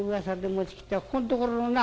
「ここんところをな」。